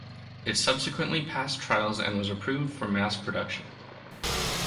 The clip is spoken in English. It subsequently passed trials and was approved for mass production.